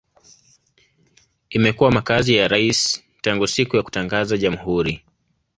Imekuwa makazi ya rais tangu siku ya kutangaza jamhuri.